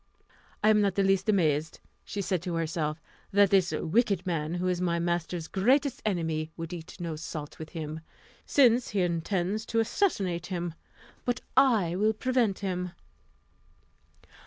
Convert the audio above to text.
"I am not in the least amazed," said she to herself, "that this wicked man, who is my master's greatest enemy, would eat no salt with him, since he intends to assassinate him; but I will prevent him."